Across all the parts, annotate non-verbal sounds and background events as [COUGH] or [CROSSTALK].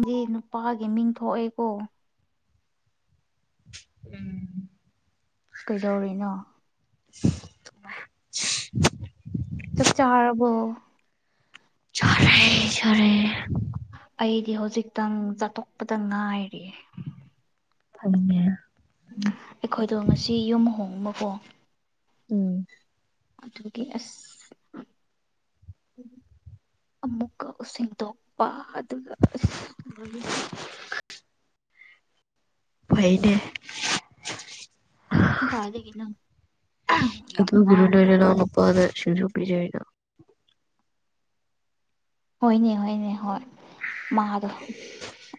ꯃꯤ ꯅꯨꯄꯥꯒꯤ ꯃꯤꯡ ꯊꯣꯛꯑꯦꯀꯣ ꯎꯝ ꯀꯩꯗꯧꯔꯤꯅꯣ ꯆꯥꯛ ꯆꯥꯔꯕꯣ ꯆꯥꯔꯦ ꯁꯥꯔꯦ ꯑꯩꯗꯤ ꯍꯧꯖꯤꯛꯇꯪ ꯆꯥꯇꯣꯛꯄꯗ ꯉꯥꯏꯔꯤꯌꯦ ꯐꯟꯉꯦ ꯑꯩꯈꯣꯏꯗꯣ ꯉꯁꯤ ꯌꯨꯝ ꯍꯣꯡꯕꯀꯣ ꯎꯝ ꯑꯗꯨꯒꯤ ꯑꯁ ꯑꯃꯨꯛꯀ ꯁꯦꯡꯗꯣꯛꯄ ꯑꯗꯨꯒ ꯑ ꯂꯣꯏꯔꯤꯒꯦ ꯐꯩꯅꯦ ꯀꯥꯏꯗꯒꯤꯦꯅ ꯌꯥꯝ ꯋꯥꯔ ꯀꯥꯟꯅ ꯑ ꯑ ꯑꯗꯨ ꯁꯨꯖ ꯆꯩ ꯍꯥꯏꯣ ꯍꯣꯏꯅꯦ ꯍꯣꯏꯅꯦ ꯍꯣꯏ ꯃꯥꯗꯣ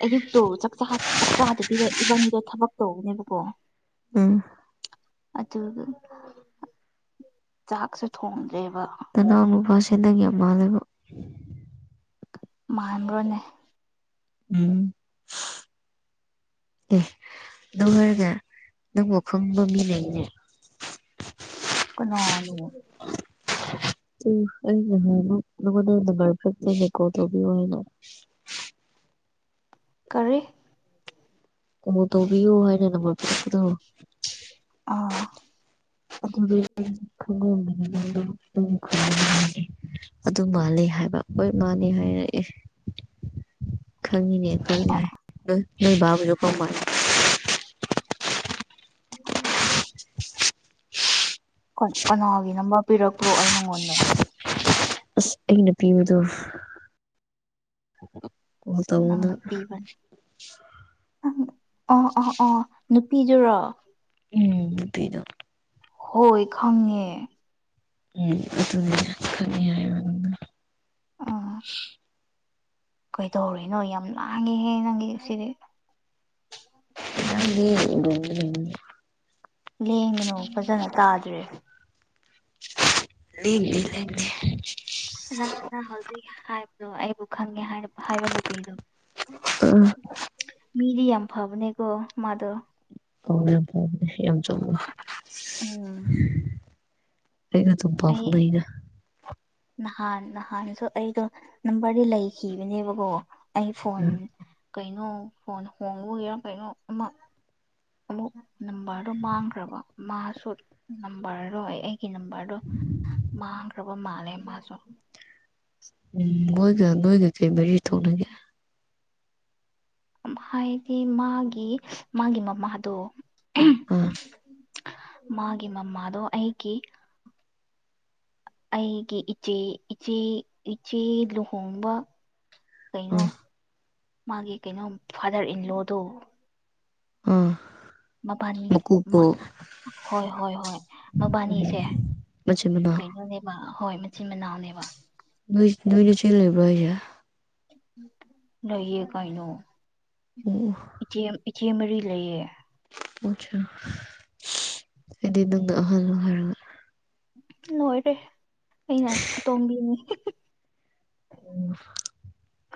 ꯑꯌꯨꯛ ꯇꯣ ꯆꯥꯛꯆꯥ ꯆꯥꯛꯆꯥꯗꯕꯤꯗ ꯏꯕꯥꯏꯅꯤꯗꯣ ꯊꯕꯛ ꯇꯧꯕꯅꯦꯕꯀꯣ ꯎꯝ ꯑꯗꯨꯒ ꯆꯥꯛꯁꯨ ꯊꯣꯡꯗ꯭ꯔꯦꯕ ꯑꯅꯥꯎ ꯅꯨꯄꯥꯁꯦꯟꯗꯒꯤ ꯑꯃꯥ ꯂꯩꯕ ꯃꯥꯟꯕ꯭ꯔꯣꯅꯦ ꯎꯝ ꯑꯦ ꯅꯪ ꯍꯥꯏꯔꯒ ꯅꯪꯕꯨ ꯈꯪꯕ ꯃꯤ ꯂꯩꯅꯦ ꯀꯅꯥꯅ [INAUDIBLE] ꯑꯩꯅꯦ ꯍꯅ ꯀꯒ ꯐꯀꯣꯗꯅ ꯀꯔꯤ ꯀꯣꯜ ꯇꯧꯕꯤꯌꯨ ꯍꯥꯏꯅ ꯅꯝꯕ꯭ꯔ ꯄꯤꯔꯛꯄꯗꯣ ꯑꯥ [UNINTELLIGIBLE] ꯑꯗꯨ ꯃꯥꯜꯂꯤ ꯍꯥꯏꯕ ꯍꯣꯏ ꯃꯥꯅꯤ ꯍꯥꯏꯔꯛꯑꯦ ꯈꯪꯉꯤꯅꯦ ꯑꯩ ꯈꯣꯏ ꯌꯥꯣꯏ ꯅꯣꯏ ꯕꯥꯕꯨꯁꯨ ꯀꯥꯎꯃꯜ ꯎꯝ ꯎꯝ [INAUDIBLE] ꯀꯅꯥꯒꯤ ꯅꯝꯕꯔ ꯄꯤꯔꯛꯄ꯭ꯔꯣ ꯑꯩ ꯅꯪꯉꯣꯟꯗ ꯑꯩꯅ ꯄꯤꯕꯗꯣ ꯀꯣꯜ ꯇꯧꯅ ꯅꯪꯅ ꯄꯤꯕꯅꯦ ꯑꯪ ꯑ ꯑꯥ ꯑꯣ ꯅꯨꯄꯤꯗꯨꯔꯣ ꯎꯝ ꯊꯩꯅꯣ ꯍꯣꯏ ꯈꯪꯉꯦ ꯎꯝ ꯑꯗꯨꯗꯤ ꯈꯅꯤ ꯍꯥꯏꯕ ꯑꯗꯨ ꯑꯣ ꯀꯩꯗꯧꯔꯤꯅꯣ ꯌꯥꯝ ꯂꯥꯡꯉꯤꯍꯦ ꯅꯪꯒꯤ ꯁꯤꯗꯤ ꯑꯣꯡ ꯂꯦꯡꯒꯅꯨ ꯐꯖꯅ ꯇꯥꯗ꯭ꯔꯦ ꯂꯦꯝꯗꯦ ꯂꯦꯝꯗꯦ ꯅꯪ ꯅꯪ ꯍꯧꯖꯤꯛ ꯍꯥꯏꯕꯗꯣ ꯑꯩꯕꯨ ꯈꯪꯉꯦ ꯍꯥꯏꯔꯛ ꯍꯥꯏꯕ ꯅꯨꯄꯤꯗꯣ ꯎꯝ ꯃꯤꯗꯤ ꯌꯥꯝ ꯐꯕꯅꯦꯀꯣ ꯃꯥꯗꯣ ꯑꯣ ꯌꯥꯝ ꯐꯥꯎꯅꯦꯦ ꯌꯥꯝ ꯆꯨꯝꯕ ꯎꯝ ꯑꯩꯩꯒ ꯑꯗꯨꯝ ꯄꯥꯎ ꯑꯩ ꯐꯥꯎꯅꯩꯗꯥ ꯅꯍꯥꯟ ꯅꯍꯥꯟꯁꯨ ꯑꯩꯗꯣ ꯅꯝꯕꯔꯗꯤ ꯂꯩꯈꯤꯕꯅꯦꯕꯀꯣ ꯑꯩ ꯐꯣꯟ ꯀꯩꯅꯣ ꯐꯣꯟ ꯍꯣꯡꯕ ꯑꯣꯏꯒꯦꯔꯥ ꯀꯩꯅꯣ ꯑꯃ ꯑꯃꯨꯛ ꯅꯝꯕꯔꯗꯨꯣ ꯃꯥꯡꯈ꯭ꯔꯕ ꯃꯥꯁꯨ ꯅꯝꯕꯔꯗꯣꯏ ꯑꯩ ꯑꯩꯒꯤ ꯅꯝꯕ꯭ꯔꯗꯣ ꯃꯥꯥꯡꯈ꯭ꯔꯕ ꯃꯥꯜꯂꯦ ꯃꯥꯁꯨ ꯎꯝ ꯃꯣꯏꯒ ꯅꯣꯏꯒ ꯀꯩ ꯃꯔꯤ ꯊꯣꯛꯅꯒꯦ ꯍꯥꯏꯗꯤ ꯃꯥꯒꯤ ꯃꯥꯒꯤ ꯃꯃꯥꯗꯣ ꯎ ꯃꯥꯒꯤ ꯃꯃꯥꯗꯣ ꯑꯩꯒꯤ ꯑꯩꯒꯤ ꯏꯆꯦ ꯏꯆꯦ ꯏꯆꯦ ꯂꯨꯍꯣꯡꯕ ꯀꯩꯅꯣ ꯑꯥ ꯃꯥꯒꯤ ꯀꯩꯅꯣ ꯐꯥꯗꯔ ꯏꯟ ꯂꯣꯗꯣ ꯎꯝ ꯃꯕꯥꯅꯤ ꯍꯣꯏ ꯍꯣꯏ ꯍꯣꯏ ꯃꯕꯥꯅꯤꯁꯦ ꯃꯆꯤꯟ ꯃꯅꯥꯎ ꯀꯩꯅꯣꯅꯦꯕ ꯍꯣꯏ ꯃꯆꯤꯟ ꯃꯅꯥꯎꯅꯦꯕ ꯅꯣꯏ ꯅꯣꯏꯗꯤ ꯁꯤ ꯂꯩꯕ꯭ꯔꯣ ꯍꯥꯖꯦ ꯂꯏꯌꯦ ꯀꯥꯏꯅ ꯑꯣ ꯑꯣ ꯏꯆꯦ ꯏꯆꯦ ꯃꯔꯤ ꯂꯩꯌꯦ ꯑꯣꯠꯆꯥ ꯑꯩꯗꯤ ꯅꯪꯅ ꯑꯍꯜꯂ ꯍꯥꯏꯔꯒꯥ ꯂꯣꯏꯔꯦ ꯑꯩꯅ ꯑꯇꯣꯝꯕꯤꯅꯤ ꯎꯝ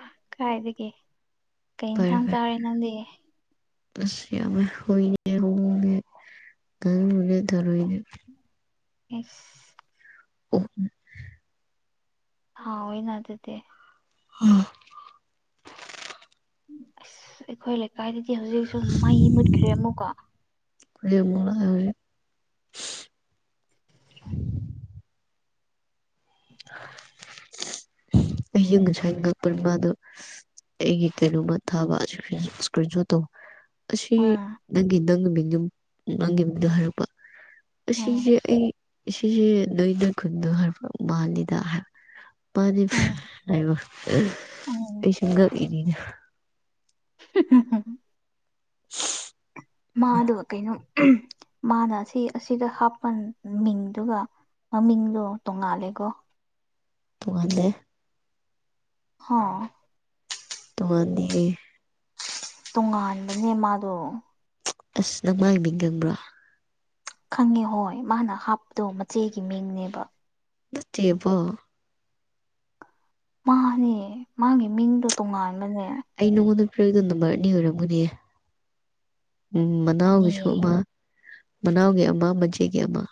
ꯑꯥ ꯍ ꯀꯥꯏ ꯂꯩꯒꯦ ꯀꯩ ꯐꯔꯦ ꯏꯟꯁꯥꯡ ꯐꯔꯦ ꯆꯥꯔꯦ ꯅꯪꯗꯤ ꯑꯁ ꯌꯝꯃꯤꯍꯦ ꯑꯩꯈꯣꯏ ꯃꯤ ꯑꯍꯨꯝꯃꯨꯛꯅꯦ ꯉꯥꯅꯨꯅꯦ ꯊꯥꯔꯣꯏꯅꯦ ꯍ ꯑꯣ ꯍꯥꯎ ꯑꯣꯏ ꯅ ꯑꯗꯨꯗꯤ ꯑꯥ ꯑꯁ ꯑꯩꯈꯣꯏ ꯂꯩꯀꯥꯏꯗꯗꯤ ꯍꯧꯖꯤꯛꯁꯨ ꯃꯩ ꯃꯨꯠꯈ꯭ꯔꯦ ꯑꯃꯨꯛꯀꯣ ꯍ ꯑꯩꯁꯨ ꯉꯁꯥꯏ ꯉꯥꯛꯄꯕꯥꯗꯣ ꯑꯩꯒꯤ ꯀꯔꯃ ꯊꯁꯨꯣ ꯑꯁꯤ ꯎꯝ ꯅꯪꯒꯤ ꯅꯪꯒꯤ ꯃꯤ ꯅꯪꯒꯤ ꯃꯤꯗꯣ ꯍꯥꯏꯔꯛꯄ ꯎꯝ ꯑꯁꯤꯁꯦ ꯑꯩ ꯁꯦꯁꯦ ꯅꯣꯏꯅ ꯈꯨꯟꯗ ꯍꯥ ꯃꯥ ꯂꯤꯗ ꯍꯥꯏ ꯃꯥꯅꯤ ꯎꯝ ꯍꯥꯏꯕ ꯄ ꯎꯝ ꯁꯨꯝ ꯀꯅꯤꯅ [UNINTELLIGIBLE] [UNINTELLIGIBLE] ꯃꯥꯗꯣ ꯀꯩꯅꯣ ꯃꯥꯅ ꯑꯁꯤ ꯑꯁꯤꯗ ꯍꯥꯞꯄ ꯃꯤꯡꯗꯨꯒ ꯃꯃꯤꯡꯗꯣ ꯇꯣꯡꯉꯥꯜꯂꯦꯀꯣ ꯇꯨꯡꯉꯥꯟꯗꯦ ꯍꯥ ꯅꯣꯉꯥꯟꯂꯤꯍꯦ ꯇꯣꯉꯥꯟꯕꯅꯦ ꯃꯥꯗꯣ ꯑꯁ ꯅꯪ ꯃꯥꯏ ꯃꯤꯡ ꯈꯪꯕ꯭ꯔꯥ ꯈꯪꯉꯦ ꯍꯣꯏ ꯃꯥꯅ ꯍꯥꯞꯄꯗꯣ ꯃꯆꯦꯒꯤ ꯃꯤꯡꯅꯦꯕ ꯅꯠꯇꯦꯕꯣ ꯃꯥꯅꯦ ꯃꯥꯒꯤ ꯃꯤꯡꯗꯣ ꯇꯣꯡꯉꯥꯟꯕꯅꯦ ꯑꯩ ꯅꯉꯣꯟꯗ ꯄ꯭ꯔꯗ ꯅꯝꯕꯔ ꯑꯅꯤ ꯑꯣꯏꯔꯝꯒꯅꯤ ꯎ ꯑꯅꯤ ꯃꯅꯥꯎꯒꯤꯁꯨ ꯑꯃ ꯃꯅꯥꯎꯒꯤ ꯑꯃ ꯃꯆꯦꯒꯤ ꯑꯃ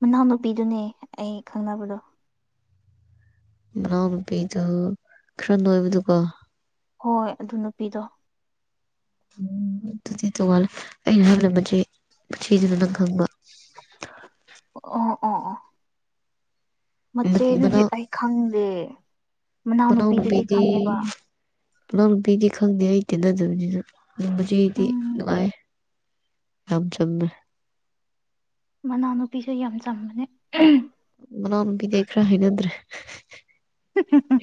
ꯃꯅꯥꯎꯅꯨꯄꯤꯗꯨꯅꯦ ꯑꯩ ꯈꯪꯅꯕꯗꯣ ꯃꯅꯥꯎ ꯅꯨꯨꯄꯤꯗꯨ ꯈꯔ ꯅꯣꯏꯕꯗꯨꯀꯣ ꯍꯣꯏ ꯑꯗꯨ ꯅꯨꯄꯤꯗꯣ ꯎꯝ ꯑꯗꯨꯗꯤ ꯇꯣꯡꯉꯥꯜꯂꯦ ꯑꯩꯅ ꯍꯜꯂꯝꯕ ꯃꯆꯦ ꯃꯆꯦꯗꯨꯅ ꯅꯪ ꯈꯪꯕ ꯑꯣ ꯑꯣ ꯑꯣ ꯃꯆꯦꯗꯨꯗꯤ ꯃꯅꯥꯎ ꯑꯩ ꯈꯪꯗꯦ ꯃꯅꯥꯎꯅꯨꯄꯤꯗꯨꯗꯤ ꯃꯅꯥꯎꯅꯨꯄꯤꯗꯤ ꯈꯪꯉꯦꯕ ꯃꯅꯥꯎꯅꯨꯄꯤꯗꯤ ꯈꯪꯗꯦ ꯑꯩ ꯇꯦꯟꯅꯗꯕꯅꯤꯅ ꯑꯗꯨꯝꯕꯖ ꯑꯩꯗꯤ ꯎꯝ ꯅꯨꯡꯉꯥꯏ ꯌꯥꯝꯝ ꯆꯝꯃꯦ ꯃꯅꯥꯎꯅꯨꯄꯤꯁꯨ ꯌꯝ ꯆꯝꯕꯅꯦ ꯃꯅꯥꯎꯅꯨꯄꯤꯗꯤ ꯑꯩ ꯈ꯭ꯔꯥ ꯍꯩꯅꯗ꯭ꯔꯦ ꯍꯤꯍꯤꯍꯤ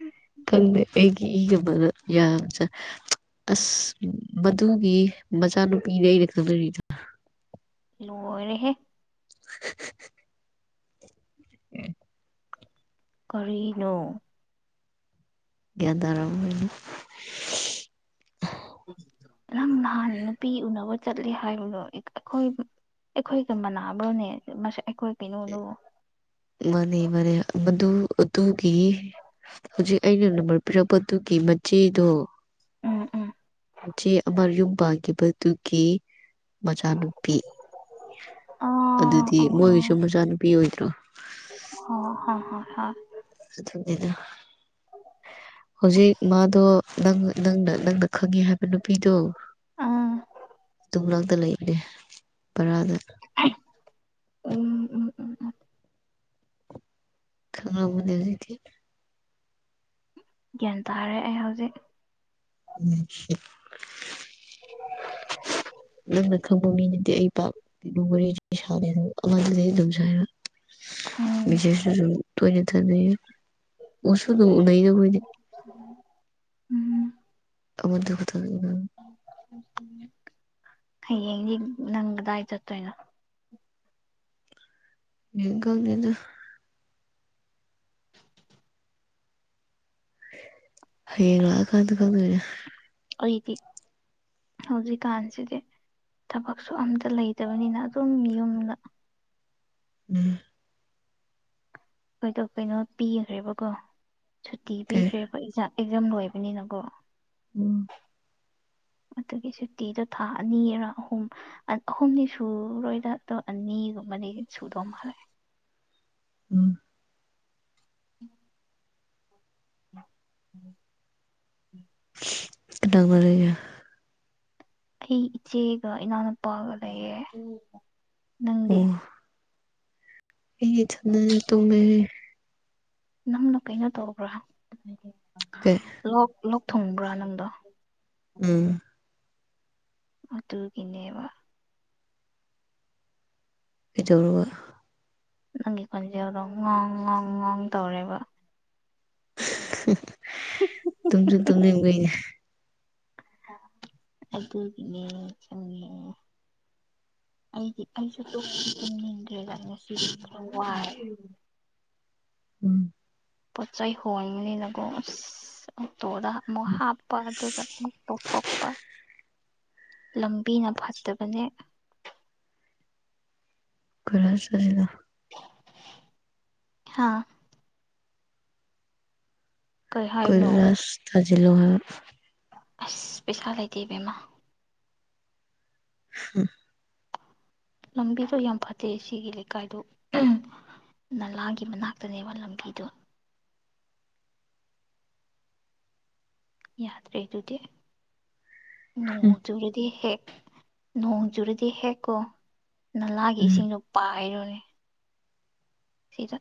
ꯎꯝ ꯈꯪꯗꯦ ꯑꯩꯒꯤ ꯏꯒ ꯃꯔ ꯌꯥꯝꯆꯥ ꯑꯁ ꯃꯗꯨꯒꯤ ꯃꯆꯥꯅꯨꯄꯤꯅꯦ ꯑꯩꯅ ꯈꯪꯅꯔꯤꯗꯣ ꯂꯣꯏꯔꯦꯍꯦ [UNINTELLIGIBLE] ꯀꯥꯔꯤꯅꯣ ꯒꯌꯟꯇꯥꯔꯥꯝꯗꯨꯏꯅꯤ ꯅꯪ ꯅꯍꯥꯟ ꯅꯨꯄꯤ ꯎꯅꯕ ꯆꯠꯂꯤ ꯍꯥꯏꯕꯗꯣ ꯑꯩꯈꯣꯏ ꯑꯩꯈꯣꯏꯒ ꯃꯅꯥꯕ꯭ꯔꯣꯅꯦ ꯃꯥꯁꯦ ꯑꯩꯈꯣꯏ ꯀꯩꯅꯣꯗꯣ ꯃꯥꯟꯅꯦ ꯃꯥꯟꯅꯦ ꯃꯗꯨ ꯑꯗꯨꯒꯤ ꯍꯧꯖꯤꯛ ꯑꯩꯅ ꯅꯝꯕ꯭ꯔ ꯄꯤꯔꯛꯄꯗꯨꯒꯤ ꯃꯆꯦꯗꯣ ꯎꯝ ꯎꯝ ꯃꯆꯦ ꯑꯃ ꯌꯨꯝ ꯄꯥꯟꯒꯤꯕꯗꯨꯒꯤ ꯃꯆꯥꯅꯨꯄꯤ ꯑꯣ ꯑꯗꯨꯗꯤ ꯑꯣ ꯃꯣꯏꯒꯤꯁꯨ ꯃꯆꯥꯅꯨꯄꯤ ꯑꯣꯏꯗ꯭ꯔꯣ ꯑꯣ ꯍ ꯍ ꯍ ꯑꯗꯨꯅꯤꯅ ꯍꯧꯖꯤꯛ ꯃꯥꯗꯣ ꯅꯪ ꯅꯪꯅ ꯅꯪꯅ ꯈꯪꯉꯤ ꯍꯥꯏꯕ ꯅꯨꯄꯤꯗꯣ ꯗꯨꯃꯅꯥꯛꯇ ꯂꯩ ꯑꯦ ꯄꯥꯔꯗ ꯑꯍꯝ ꯎꯝ ꯎꯝ ꯎꯝ ꯎꯝ ꯈꯪꯅꯕꯨꯗꯤ ꯂꯩꯇꯦ ꯒ꯭ꯌꯥꯟ ꯇꯥꯔꯦ ꯑꯩ ꯍꯧꯖꯤꯛ [UNINTELLIGIBLE] ꯅꯪꯅ ꯈꯪꯕ ꯃꯤ ꯅꯠꯇꯦ ꯑꯩ ꯄꯥꯎ ꯔ ꯁꯦ ꯑꯗꯝꯁ [UNINTELLIGIBLE] ꯎꯝ ꯃꯦꯁꯦꯁꯁꯨ ꯑꯗꯨꯝ ꯇꯣꯏꯅꯩ ꯊꯥꯅꯩ ꯎꯁꯨ ꯑꯗꯨꯝ ꯎꯅꯩꯗ ꯑꯩꯈꯣꯏ [UNINTELLIGIBLE] ꯎꯝ [UNINTELLIGIBLE] ꯍꯥꯌꯦꯡꯗꯤ ꯅꯪ ꯀꯗꯥꯏ ꯆꯠꯇꯣꯏꯅꯣ ꯌꯦꯡ ꯈꯪꯅꯤꯗ ꯍꯩꯌꯦꯡ ꯂꯥꯛꯑ ꯑꯁ ꯀꯥꯟꯗ ꯈꯪꯗꯨꯏꯅꯦ ꯑꯩꯗꯤ ꯍꯧꯖꯤꯛꯀꯥꯟꯁꯤꯗꯤ ꯊꯕꯛꯁꯨ ꯑꯝꯇ ꯂꯩꯇꯕꯅꯤꯅ ꯑꯗꯨꯝ ꯌꯨꯝꯗ ꯎꯝ ꯑꯩꯏꯗꯣ ꯀꯩꯅꯣ ꯄꯤꯈ꯭ꯔꯦꯕꯀꯣ ꯁꯨꯇꯤ ꯀꯩ ꯄꯤꯈ꯭ꯔꯦꯕꯖꯥ ꯑꯦꯛꯖꯥꯝ ꯂꯣꯏꯕꯅꯤꯅꯀꯣ ꯎꯝ ꯑꯗꯨꯒꯤ ꯁꯨꯇꯤꯗꯣ ꯊꯥ ꯑꯅꯤꯔ ꯑꯍꯨꯝ ꯑꯍꯨꯝꯅꯤ ꯁꯨꯔꯣꯏꯗ ꯑꯗꯣ ꯑꯅꯤꯒꯨꯝꯕꯗꯤ ꯁꯨꯗꯧ ꯃꯥꯜꯂꯦ ꯎꯝ [UNINTELLIGIBLE] ꯎꯝ ꯎꯝ [UNINTELLIGIBLE] ꯑꯩ ꯏꯆꯦꯒ ꯏꯅꯥꯎꯅꯨꯄꯥꯒ ꯂꯩꯌꯦ ꯅꯪꯗꯤ ꯑꯩꯗꯤ ꯢꯊꯟꯅꯅ ꯇꯨꯝꯃꯦꯍꯦ ꯅꯪꯅ ꯀꯩꯅꯣ ꯇꯧꯕ꯭ꯔꯥ ꯀꯩ ꯂꯣꯛ ꯂꯣꯛ ꯊꯨꯡꯕ꯭ꯔꯥ ꯅꯪꯗꯣ ꯎꯝ ꯑꯗꯨꯒꯤꯅꯦꯕ ꯀꯩꯗꯧ ꯔꯨꯕ ꯅꯪꯒꯤ ꯈꯣꯟꯖꯦꯜꯗꯣ ꯉꯣꯡ ꯉꯣꯡ ꯉꯣꯡ ꯇꯧꯔꯦꯕ ꯇꯨꯝꯖꯨ ꯇꯨꯝꯅꯤꯡꯕꯤꯅꯤ ꯍꯥ ꯑꯗꯨꯒꯤꯅꯦ ꯆꯪꯕꯤꯅꯦ ꯑꯩꯗꯤ ꯑꯩꯁꯨ ꯇꯨꯝ ꯇꯨꯝꯅꯤꯡꯗꯒꯔꯦꯗ ꯑꯩ ꯉꯥꯁꯤꯗꯤ ꯋꯥꯏ ꯎꯝ ꯄꯣꯠ ꯆꯩꯩ ꯍꯣꯟꯕꯅꯤꯅꯀꯣ ꯑꯁ ꯑꯣꯇꯣꯗ ꯑꯃꯨꯛ ꯍꯥꯞꯄ ꯑꯗꯨꯒ ꯑꯃꯨꯛ ꯄꯨꯊꯣꯛꯄ ꯂꯝꯕꯤꯅ ꯐꯠꯇꯕꯅꯦ ꯀꯗꯥꯏ ꯆꯠꯂꯤꯅꯣ ꯍꯥꯥ ꯀꯩ ꯍꯥꯏꯕꯅꯣ ꯀꯣꯏꯂꯥꯁ ꯊꯥꯖꯤꯂꯣ ꯍꯥꯏꯕ ꯑꯥꯁ ꯄꯩꯁꯥ ꯂꯩꯇꯦ ꯏꯕꯦꯝꯃ [UNINTELLIGIBLE] ꯂꯝꯕꯤꯗꯣ ꯌꯥꯝ ꯐꯠꯇꯦ ꯁꯤꯒꯤ ꯂꯩꯀꯥꯏꯗꯣ ꯅꯂꯥꯒꯤ ꯃꯅꯥꯛꯇꯅꯦꯕ ꯂꯝꯕꯤꯗꯣ ꯌꯥꯗ꯭ꯔꯦ ꯑꯗꯨꯗꯤ ꯅꯣꯡ ꯆꯨꯔꯗꯤ ꯍꯦꯛ ꯅꯣꯡ ꯆꯨꯔꯗꯤ ꯍꯦꯛꯀꯣ ꯅꯂꯥꯒꯤ ꯎꯝ ꯏꯁꯤꯡꯗꯣ ꯄꯥꯏꯔꯨꯅꯦ ꯁꯤꯗ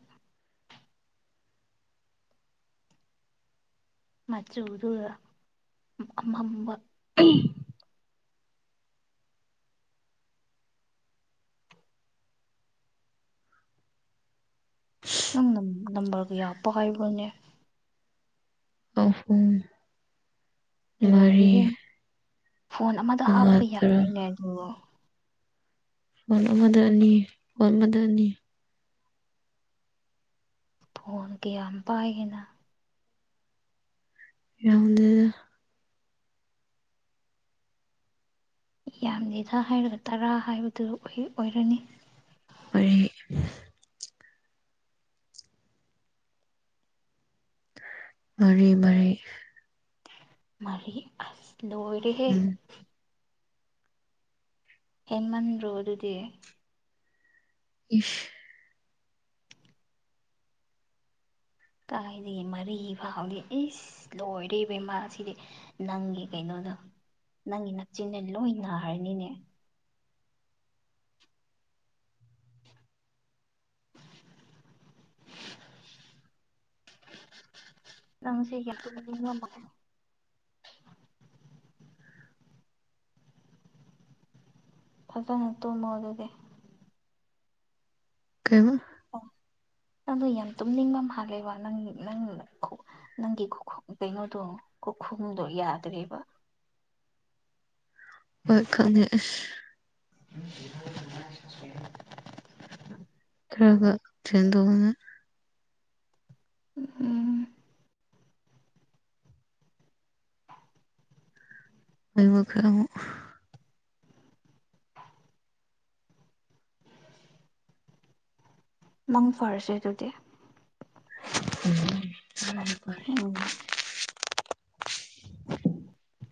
ꯃꯆꯨꯗꯨꯔꯥ ꯑꯃꯝꯕ ꯍ [INAUDIBLE] ꯅꯪ ꯅꯝꯕꯔꯒ ꯌꯥꯄ ꯄꯥꯏꯕꯔꯣꯅꯦ ꯑꯍꯨꯝ ꯃꯔꯤ ꯂꯣꯏꯔꯦꯍꯦ ꯐꯣꯟ ꯑꯃꯗ ꯃꯉꯥ ꯍꯥꯞꯄ ꯇꯔꯥ ꯌꯥꯕꯩꯅꯦ ꯑꯗꯣ ꯃꯥꯟ ꯑꯃꯗ ꯑꯅꯤ ꯋꯥꯟ ꯑꯃꯗ ꯑꯅꯤ ꯐꯣꯟ ꯀꯌꯥꯝ ꯄꯥꯏꯒꯦꯅ ꯌꯥꯎꯗ ꯌꯥꯝꯗꯦꯗ ꯍꯥꯏꯔꯒ ꯇꯔꯥ ꯍꯥꯏꯕꯗꯨ ꯑꯣꯢ ꯑꯣꯏꯔꯅꯤ [UNINTELLIGIBLE] ꯃꯔꯤ ꯃꯔꯤ ꯃꯔꯤ ꯑꯁ ꯂꯣꯏꯔꯦꯍꯦ ꯎꯝ ꯍꯦꯟꯃꯟꯗ꯭ꯔꯣ ꯑꯗꯨꯗꯤ ꯏꯁ ꯀꯥꯏꯗꯒꯤ ꯃꯔꯤ ꯐꯥꯎꯗꯤ ꯏꯁ ꯂꯣꯏꯔꯤꯕ ꯏꯃ ꯁꯤꯗꯤ ꯅꯪꯒꯤ ꯀꯩꯅꯣꯗ ꯅꯪꯒꯤ ꯅꯛꯆꯤꯟꯅ ꯂꯣꯏ ꯅꯥꯔꯅꯤꯅꯦ [UNINTELLIGIBLE] ꯅꯪ ꯁꯤꯒꯤ ꯌꯝ ꯇꯨꯝꯅꯤꯡꯕ ꯃꯥꯂꯤ ꯐꯖꯅ ꯇꯨꯝꯃꯣ ꯑꯗꯨꯗꯤ ꯀꯩꯕ ꯅꯪꯗꯣ ꯌꯥꯝ ꯇꯨꯝꯅꯤꯡꯕ ꯃꯥꯜꯂꯦꯕ ꯅꯪ ꯅꯪ ꯈꯣ ꯅꯪꯒꯤ ꯀꯩꯅꯣꯗꯣ ꯈꯨꯈꯨꯝꯗꯣ ꯌꯥꯗ꯭ꯔꯦꯕ ꯍꯣꯏ ꯈꯪꯗꯦ ꯑꯁ [UNINTELLIGIBLE] ꯈꯔꯥꯒ [UNINTELLIGIBLE] ꯎꯝ ꯑꯩꯣꯏꯕꯨꯈ ꯅꯪ ꯐꯔꯁꯦ ꯑꯗꯨꯗꯤ ꯑꯝ ꯎꯝ ꯐꯅꯗꯨꯝ ꯐꯥꯔꯦ ꯎꯝ [INAUDIBLE]